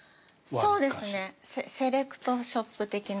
そうですね、セレクトショップ的な。